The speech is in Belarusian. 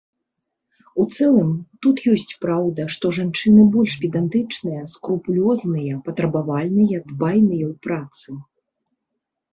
У цэлым тут ёсць праўда, што жанчыны больш педантычныя, скрупулёзныя, патрабавальныя, дбайныя ў працы.